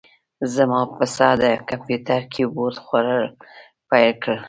زما پسه د کمپیوتر کیبورډ خوړل پیل کړل.